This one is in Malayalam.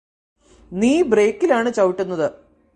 നീ ബ്രേക്കിലാണ് ചവിട്ടുന്നത്